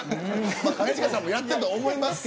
兼近さんもやっているとは思います。